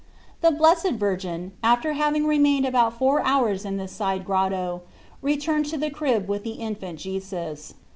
The Blessed Virgin, after having remained about four hours in this side grotto, returned to the crib with the Infant Jesus.